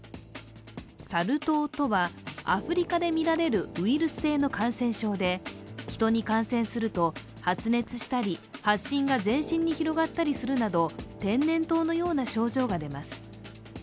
サル痘とは、アフリカで見られるウイルス性の感染症でヒトに感染すると発熱したり、発疹が前進に広がったりするなど天然痘のような症状が出ます。